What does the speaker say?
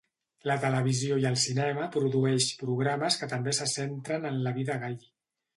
La televisió i el cinema produeix programes que també se centren en la vida gai.